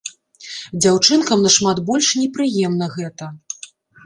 Дзяўчынкам нашмат больш непрыемна гэта.